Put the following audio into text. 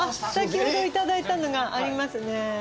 先ほどいただいたのがありますね。